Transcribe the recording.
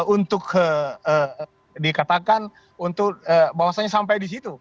untuk dikatakan untuk bahwasannya sampai di situ